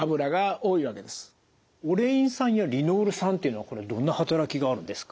オレイン酸やリノール酸っていうのはこれはどんな働きがあるんですか？